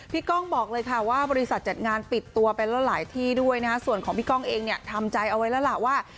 ก้องบอกเลยค่ะว่าบริษัทจัดงานปิดตัวไปแล้วหลายที่ด้วยนะฮะส่วนของพี่ก้องเองเนี่ยทำใจเอาไว้แล้วล่ะว่า